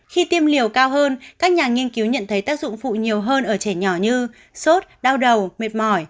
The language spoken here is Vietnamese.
khi tiêm liều cao hơn các nhà nghiên cứu nhận thấy tác dụng phụ nhiều hơn ở trẻ nhỏ như sốt đau đầu mệt mỏi